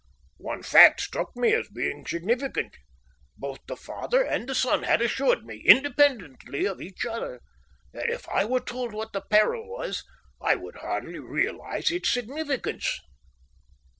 One fact struck me as being significant. Both the father and the son had assured me, independently of each other, that if I were told what the peril was, I would hardly realise its significance.